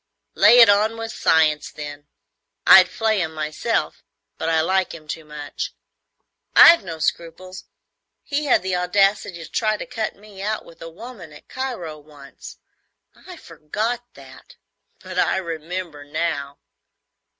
"Lay it on with science, then. I'd flay him myself, but I like him too much." "I've no scruples. He had the audacity to try to cut me out with a woman at Cairo once. I forgot that, but I remember now."